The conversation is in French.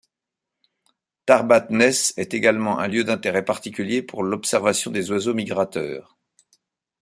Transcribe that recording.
Tarbat Ness est également un lieu d'intérêt particulier pour l'observation des oiseaux migrateurs.